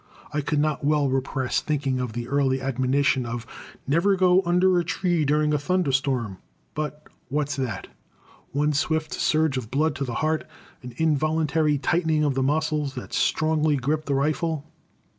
I could not well repress thinking of the early admonition of "Never go under a tree during a thunder storm." But what's that? One swift surge of blood to the heart, an involuntary tightening of the muscles that strongly gripped the rifle.